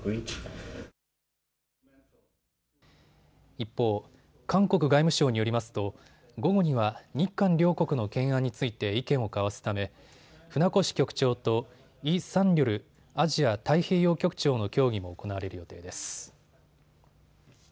一方、韓国外務省によりますと午後には日韓両国の懸案について意見を交わすため船越局長とイ・サンリョルアジア太平洋局長の協議も行われる予定です。